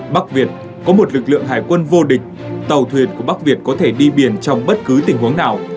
bắc việt có một lực lượng hải quân vô địch tàu thuyền của bắc việt có thể đi biển trong bất cứ tình huống nào